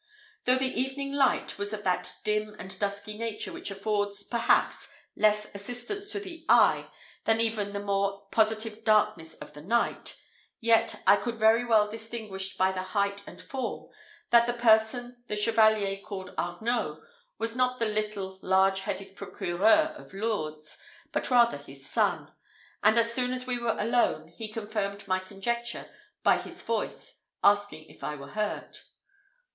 Though the evening light was of that dim and dusky nature which affords, perhaps, less assistance to the eye than even the more positive darkness of the night, yet I could very well distinguish by the height and form, that the person the Chevalier called Arnault was not the little, large headed procureur of Lourdes, but rather his son; and as soon as we were alone, he confirmed my conjecture by his voice asking if I were hurt.